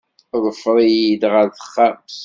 Ḍfer-iyi-d ɣer texxamt.